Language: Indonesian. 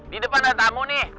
di depan ada tamu nih